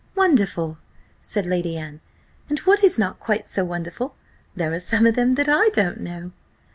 "Wonderful!" said Lady Anne; "and what is not quite so wonderful, there are some of them that I don't know."